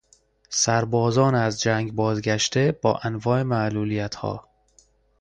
سربازان از جنگ بازگشته با انواع معلولیتها